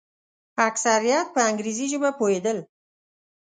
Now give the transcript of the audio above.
اکثریت په انګریزي ژبه پوهېدل.